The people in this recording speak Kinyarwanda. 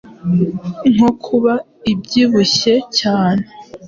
nko kuba abyibushye cyane,